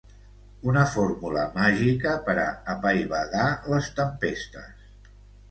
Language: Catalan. Una fórmula màgica per a apaivagar les tempestes.